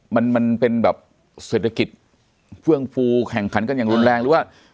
มันมันเป็นแบบเศรษฐกิจเฟื่องฟูแข่งขันกันอย่างรุนแรงหรือว่า